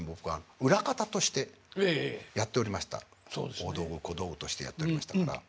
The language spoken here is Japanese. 大道具小道具としてやっておりましたから。